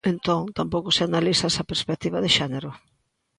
Entón, tampouco se analiza esa perspectiva de xénero.